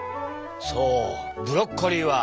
そうブロッコリーは。